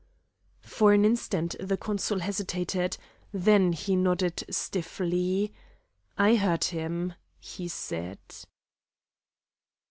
For an instant the consul hesitated, then he nodded stiffly. "I heard him," he said.